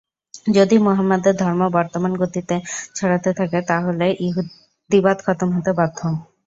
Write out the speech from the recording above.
যদি মুহাম্মাদের ধর্ম বর্তমান গতিতে ছড়াতে থাকে তাহলে ইহুদীবাদ খতম হতে বাধ্য।